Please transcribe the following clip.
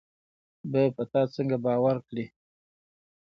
به په تا څنګه باور کړي